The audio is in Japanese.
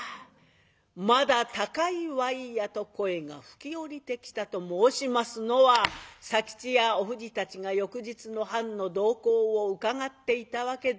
「まだ高いわいや」と声が吹き降りてきたと申しますのは佐吉やおふじたちが翌日の藩の動向をうかがっていたわけです。